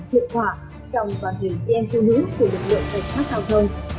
hiệu quả trong toàn thể chị em thiêu nữ của lực lượng tài xác giao thông